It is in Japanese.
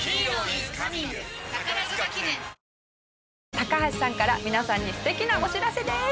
高橋さんから皆さんに素敵なお知らせです。